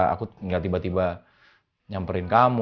aku gak tiba tiba nyamperin kamu